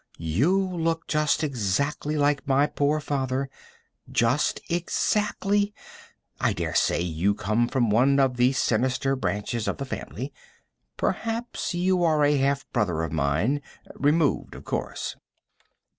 "You look just exactly like my poor father. Just exactly. I dare say you come from one of the sinister branches of the family. Perhaps you are a half brother of mine removed, of course."